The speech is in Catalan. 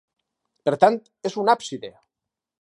Per tant és un àpside.